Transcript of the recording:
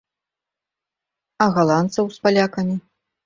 А галандцаў з палякамі?